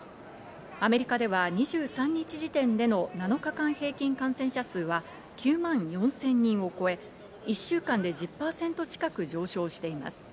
アメリカでは２３日時点での７日間平均感染者数は９万４０００人を超え、１週間で１０％近く上昇しています。